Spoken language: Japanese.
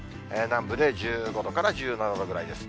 南部で１５度から１７度ぐらいです。